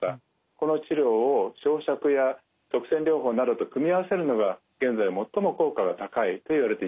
この治療を焼しゃくや塞栓療法などと組み合わせるのが現在最も効果が高いといわれていますね。